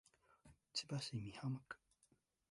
千葉市美浜区